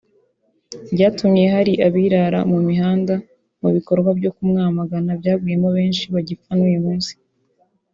byatumye hari abirara mu mihanda mu bikorwa byo kumwamagana byaguyemo benshi bagipfa n’uyu munsi